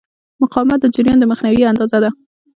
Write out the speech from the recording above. مقاومت د جریان د مخنیوي اندازه ده.